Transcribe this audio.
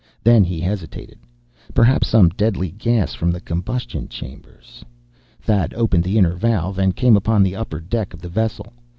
Then he hesitated. Perhaps some deadly gas, from the combustion chambers.... Thad opened the inner valve, and came upon the upper deck of the vessel.